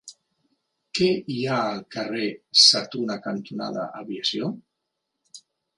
Què hi ha al carrer Sa Tuna cantonada Aviació?